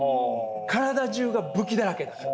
体中が武器だらけだから。